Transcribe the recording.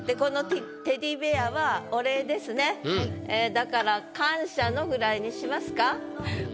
だから「感謝の」ぐらいにしますか？